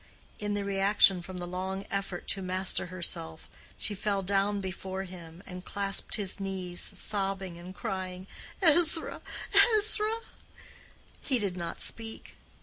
In the reaction from the long effort to master herself, she fell down before him and clasped his knees, sobbing, and crying, "Ezra, Ezra!" He did not speak.